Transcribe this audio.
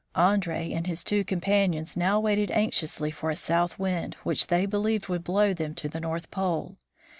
Andree and his two companions now waited anxiously for a south wind, which they believed would blow them to the North Pole.